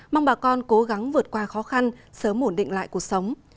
mong bà con cố gắng vượt qua khó khăn sớm ổn định lại cuộc sống